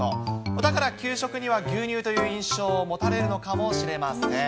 だから給食には牛乳という印象を持たれるのかもしれません。